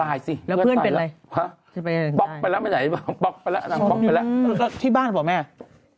ตายสิเพื่อนตายแล้วป๊อกไปแล้วมันไหนป๊อกไปแล้วมันป๊อกไปแล้วที่บ้านหรือเปล่าแม่